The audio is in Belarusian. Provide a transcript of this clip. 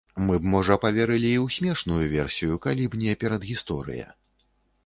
Мы б, можа, паверылі і ў смешную версію, калі б не перадгісторыя.